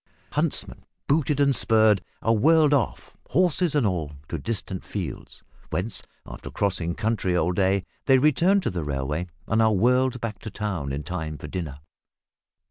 Huntsmen, booted and spurred, are whirled off, horses and all, to distant fields, whence, after "crossing country" all day, they return to the railway and are whirled back to town in time for dinner.